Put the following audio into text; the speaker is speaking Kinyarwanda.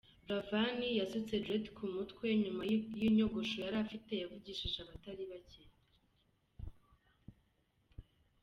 Buravan yasutse Dread ku mutwe nyuma y’inyogosho yarafite yavugishije abatari bake.